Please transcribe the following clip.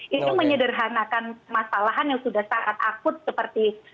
itu menyederhanakan masalahan yang sudah sangat akut seperti